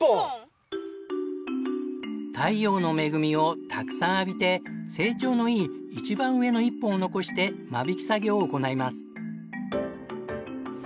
太陽の恵みをたくさん浴びて成長のいい一番上の１本を残して間引き作業を行います。